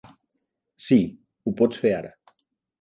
Sí, ho pots fer ara.